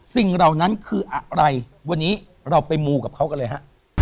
เหล่านั้นคืออะไรวันนี้เราไปมูกับเขากันเลยฮะ